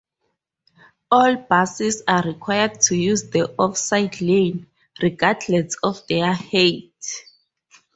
All buses are required to use the offside lane, regardless of their height.